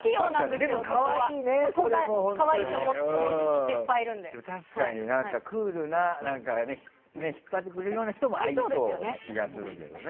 でも確かに、クールな引っ張ってくれるような人も合いそうな気がするけどね。